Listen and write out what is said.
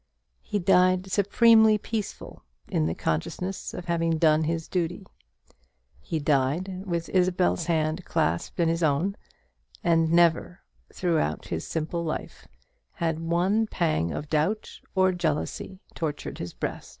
He died supremely peaceful in the consciousness of having done his duty. He died, with Isabel's hand clasped in his own; and never, throughout his simple life, had one pang of doubt or jealousy tortured his breast.